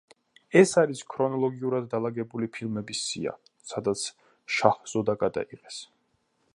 ეს არის ქრონოლოგიურად დალაგებული ფილმების სია, სადაც შაჰზოდა გადაიღეს.